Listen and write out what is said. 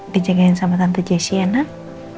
dijagain sama tante jessy ya nak